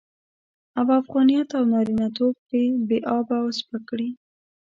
او افغانيت او نارينه توب پرې بې آبه او سپک کړي.